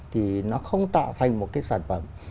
thì nó không tạo thành một cái sản phẩm